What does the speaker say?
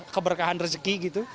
keberkahan rezeki gitu